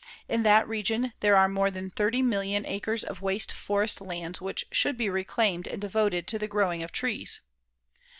In that region there are more than 30,000,000 acres of waste forest lands which should be reclaimed and devoted to the growing of trees.